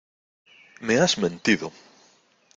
¡ me has mentido!